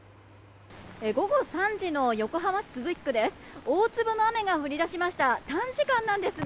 午後３時の横浜市都筑区です。